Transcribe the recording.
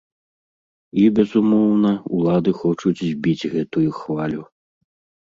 І, безумоўна, улады хочуць збіць гэтую хвалю.